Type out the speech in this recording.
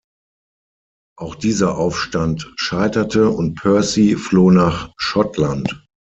Auch dieser Aufstand scheiterte und Percy floh nach Schottland.